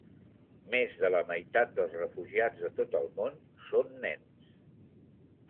Més de la meitat dels refugiats de tot el món són nens.